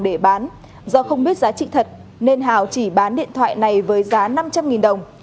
để bán do không biết giá trị thật nên hào chỉ bán điện thoại này với giá năm trăm linh đồng